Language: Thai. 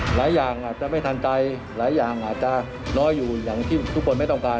หลายอย่างอาจจะไม่ทันใจหลายอย่างอาจจะน้อยอยู่อย่างที่ทุกคนไม่ต้องการ